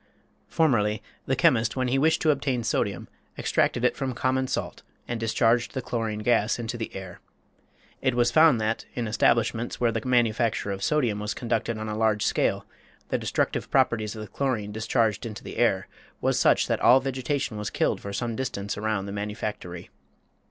Formerly the chemist when he wished to obtain sodium extracted it from common salt and discharged the chlorine gas into the air. It was found that in establishments where the manufacture of sodium was conducted on a large scale the destructive properties of the chlorine discharged into the air was such that all vegetation was killed for some distance around the manufactory.